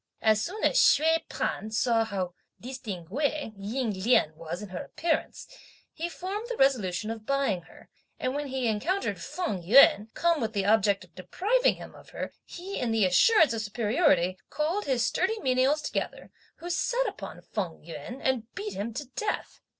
As soon as Hsüeh P'an saw how distinguée Ying Lien was in her appearance, he formed the resolution of buying her; and when he encountered Feng Yüan, come with the object of depriving him of her, he in the assurance of superiority, called his sturdy menials together, who set upon Feng Yüan and beat him to death.